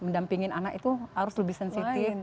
mendampingin anak itu harus lebih sensitif